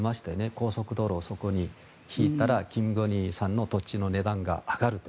高速道路をそこに引いたらキム・ゴンヒさんの土地の値段が上がると。